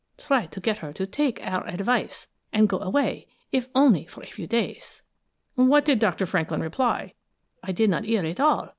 Try to get her to take our advice and go away, if only for a few days.'" "What did Dr. Franklin reply?" "I did not hear it all.